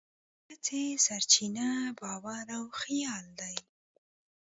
د هڅې سرچینه باور او خیال دی.